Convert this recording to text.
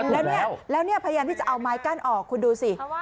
แล้วเนี่ยแล้วเนี่ยพยายามที่จะเอาไม้กั้นออกคุณดูสิ